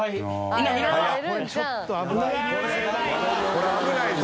これ危ないぞ。